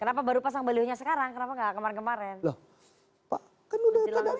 kenapa baru pasang balihonya sekarang kenapa nggak kemarin kemarin